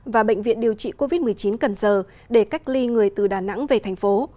và bệnh viện điều trị covid một mươi chín cần giờ để cách ly người từ đà nẵng về thành phố